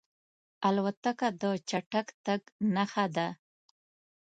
الوتکه د چټک تګ نښه ده.